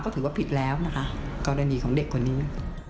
ก็ถือว่าผิดแล้วนะคะกรณีของเด็กคนนี้